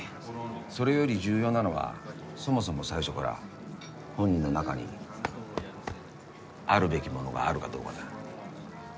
それより重要なのはそもそも最初から本人の中にあるべきものがあるかどうかだ。